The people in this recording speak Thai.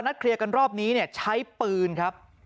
เคลียร์กันรอบนี้เนี่ยใช้ปืนครับ